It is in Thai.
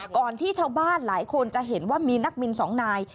ที่ชาวบ้านหลายคนจะเห็นว่ามีนักบินสองนาย